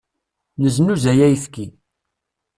Neznuzay ayefki.